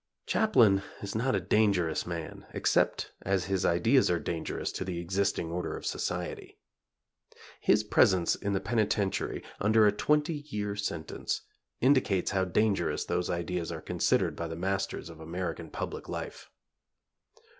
Chaplin is not a dangerous man except as his ideas are dangerous to the existing order of society. His presence in the penitentiary, under a twenty year sentence, indicates how dangerous those ideas are considered by the masters of American public life.